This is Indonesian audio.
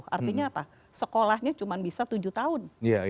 artinya apa sekolahnya cuma bisa tujuh tahun